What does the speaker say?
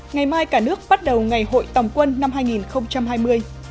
ngày mai cả nước bắt đầu ngày hội tổng quân năm hai nghìn hai mươi